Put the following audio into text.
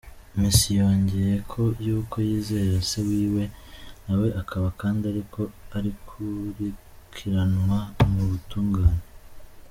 Messi yongeyeko yuko yizera se wiwe, nawe akaba kandi ariko arakurikiranwa mu butungane.